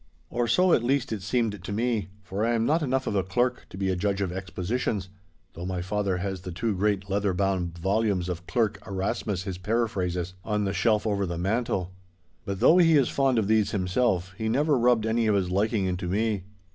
Or so at least it seemed to me, for I am not enough of a clerk to be a judge of expositions, though my father has the two great leather bound volumes of Clerk Erasmus his Paraphrases, on the shelf over the mantel. But though he is fond of these himself, he never rubbed any of his liking into me.